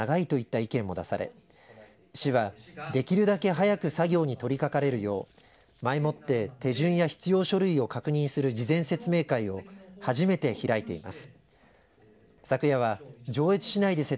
その後、市民から雪下ろしの決定から作業開始までの期間が長いといった意見も出され市は、できるだけ早く作業に取りかかれるよう前もって手順や必要書類を確認する事前説明会を初めて開いています。